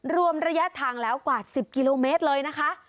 รวมระยะทางแล้วกว่า๑๐กิโลเมตรเลยนะคะ